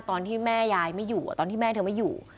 ตอนที่แม่ยายไม่อยู่ตอนที่แม่เธอไม่อยู่